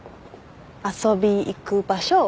遊び行く場所